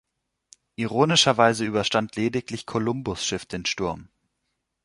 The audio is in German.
Ironischerweise überstand lediglich Kolumbus’ Schiff den Sturm.